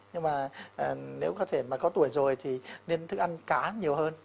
nhưng mà nếu có thể mà có tuổi rồi thì nên thức ăn cá nhiều hơn